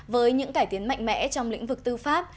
với những cải tiến mạnh mẽ trong lĩnh vực tư pháp